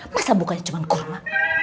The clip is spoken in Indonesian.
masa bukanya cuman kurma